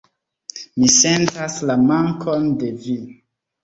Mi sentas la mankon de vi.